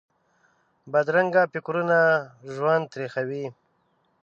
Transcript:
بدرنګه فکرونه ژوند تریخوي